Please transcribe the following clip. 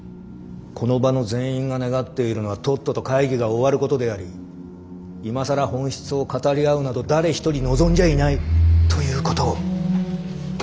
この場の全員が願っているのはとっとと会議が終わることであり今更本質を語り合うなど誰一人望んじゃいないということを。